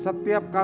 setiap ke magelang